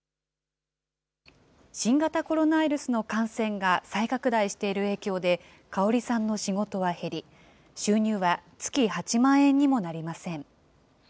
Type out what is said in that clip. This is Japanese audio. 新型コロナウイルスの感染が再拡大している影響で、かおりさんの仕事は減り、収入は月８万円にもなりません。